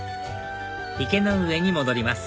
池ノ上に戻ります